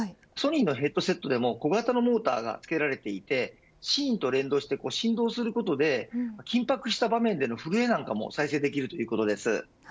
ソニーのヘッドセットでも小型のモーターがつけられていてシーンと連動して振動することで緊迫した場面での震えも再生できるということです。